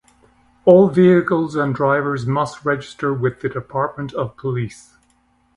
All vehicles and drivers must register with the Department of Police.